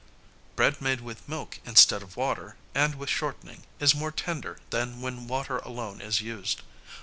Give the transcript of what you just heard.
Bread made with milk instead of water, and with shortening, is more tender than when water alone is used.